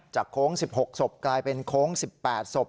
โค้ง๑๖ศพกลายเป็นโค้ง๑๘ศพ